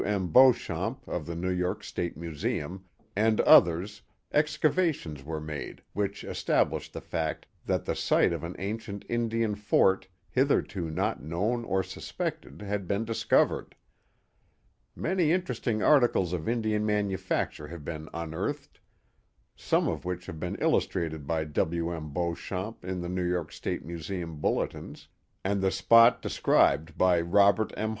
M. Beauchamp of the New York State Mu seum, and others, excavations were made which estabh'shed the fact that the site of an ancient Indian fort, hitherto not known or suspected, had been discovered. Many interesting articles of Indian manufacture have been unearthed, some of which have been illustrated by W. M. Beauchamp in the New York State Museum Bulletins, and the spot described by Robert M.